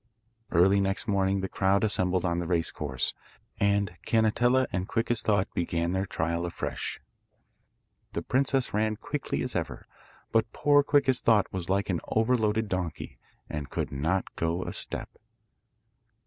Early next morning the crowd assembled on the race course, and Canetella and Quick as Thought began their trial afresh. The princess ran as quickly as ever, but poor Quick as Thought was like an overloaded donkey, and could not go a step.